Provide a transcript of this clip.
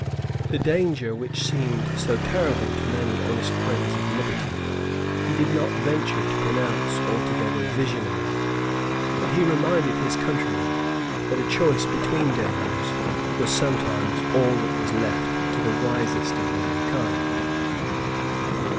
The danger which seemed so terrible to many honest friends of liberty he did not venture to pronounce altogether visionary. But he reminded his countrymen that a choice between dangers was sometimes all that was left to the wisest of mankind.